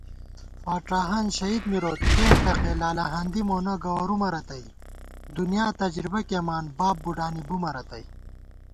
فاڄاہان شہید مِروت تېنٹقےلالہاندی مونہ گوَرُومہ رتئ * دُنیا تجربہ کېئیمان باب بُڈانی بُمہ رتئ